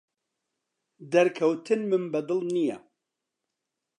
دەرکەوتنمم بەدڵ نییە.